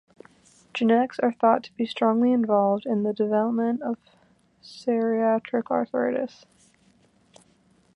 Genetics are thought to be strongly involved in the development of psoriatic arthritis.